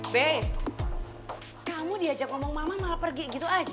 be kamu diajak ngomong mama malah pergi gitu aja